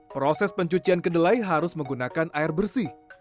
proses pencucian kedelai harus menggunakan air bersih